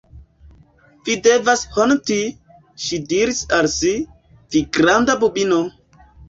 "Vi devas honti," ŝi diris al si, "vi granda bubino!"